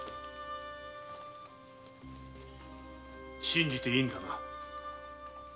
信じていいのだな。